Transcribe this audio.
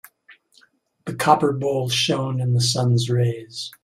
The copper bowl shone in the sun's rays.